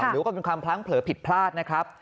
หรือว่าเป็นความพลั้งเผลอผิดพลาดนะครับ